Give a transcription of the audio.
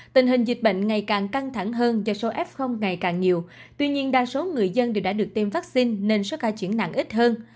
tình hình dịch bệnh ngày càng căng thẳng hơn do số f ngày càng nhiều tuy nhiên đa số người dân đều đã được tiêm vaccine nên số ca chuyển nặng ít hơn